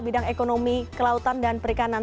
bidang ekonomi kelautan dan perikanan